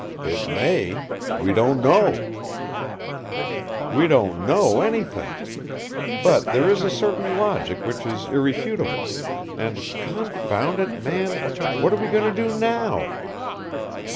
"It may we don't know!" "We don't know anything. But there is a certain logic which is irrefutable and, confound it! man what are we going to do now?"